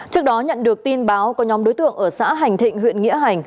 trước đó nhận được tin báo có nhóm đối tượng ở xã hành thịnh huyện nghĩa hành